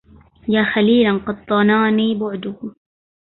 يا خليلا قد ضناني بعده